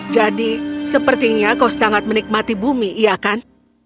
jadi sepertinya kau sangat menikmati bumi iya kan